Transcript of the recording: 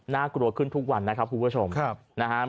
น่ากลัวขึ้นทุกวันนะครับคุณผู้ชมนะครับ